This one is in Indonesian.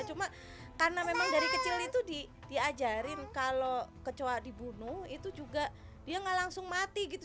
cuma karena memang dari kecil itu diajarin kalau kecoa dibunuh itu juga dia nggak langsung mati gitu